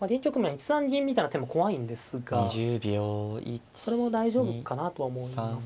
１三銀みたいな手も怖いんですがそれも大丈夫かなとは思います。